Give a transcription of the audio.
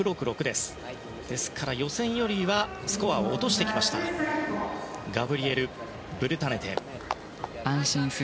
ですから、予選よりはスコアを落としてきましたガブリエル・ブルタネテです。